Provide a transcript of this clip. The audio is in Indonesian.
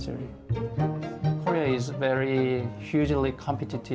korea adalah masyarakat yang sangat berkompetisi